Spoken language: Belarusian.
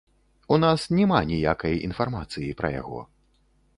У нас няма ніякай інфармацыі пра яго.